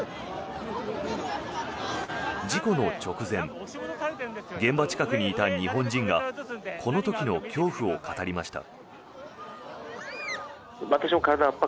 事故の直前現場近くにいた日本人がこの時の恐怖を語りました。